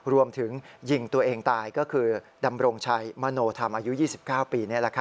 รวมถึงยิงตัวเองตายก็คือดำรงชัยมโนธรรมอายุ๒๙ปี